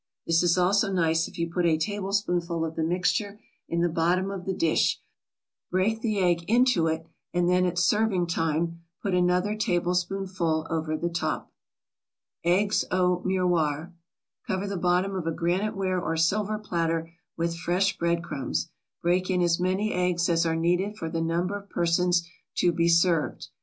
This is also nice if you put a tablespoonful of the mixture in the bottom of the dish, break the egg into it, and then at serving time put another tablespoonful over the top. EGGS AU MIROIR Cover the bottom of a graniteware or silver platter with fresh bread crumbs, break in as many eggs as are needed for the number of persons to be served.